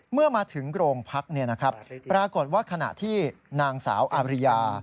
เมื่อมาถึงโรงพักเนี่ยนะครับปรากฏว่าขณะที่นางสาวอาริยา